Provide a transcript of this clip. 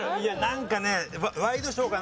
なんかねワイドショーか